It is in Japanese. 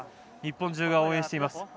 日本中が応援しています。